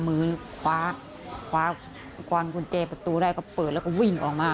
มือคว้าคว้ากวนกุญแจประตูได้ก็เปิดแล้วก็วิ่งออกมา